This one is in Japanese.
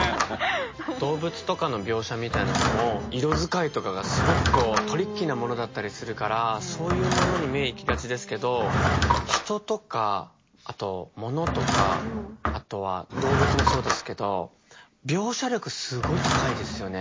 動物とかの描写みたいなのも色使いとかがすごくトリッキーなものだったりするからそういうものに目いきがちですけど人とかあと物とかあとは動物もそうですけど描写力すごい高いですよね